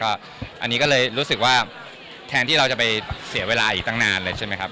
อันนี้ก็เลยรู้สึกว่าแทนที่เราจะไปเสียเวลาอีกตั้งนานเลยใช่ไหมครับ